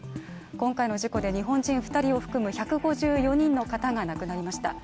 今回の事故で日本人２人を含む１５４人の方が亡くなりました。